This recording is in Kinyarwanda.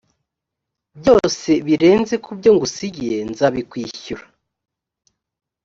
byose birenze ku byo ngusigiye nzabikwishyura